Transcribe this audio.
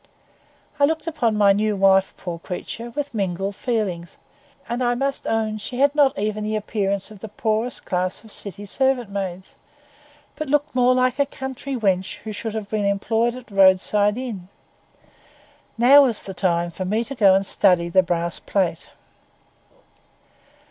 I looked upon my new wife, poor creature, with mingled feelings; and I must own she had not even the appearance of the poorest class of city servant maids, but looked more like a country wench who should have been employed at a roadside inn. Now was the time for me to go and study the brass plate.